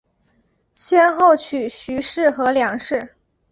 先后娶徐氏和梁氏。